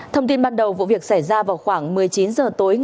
thông tin ban đầu vụ việc xảy ra vào khoảng